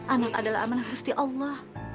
anak adalah amanah khasi allah